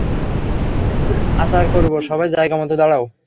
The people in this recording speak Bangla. আচার করব, সবাই জায়গামতো দাঁড়াও।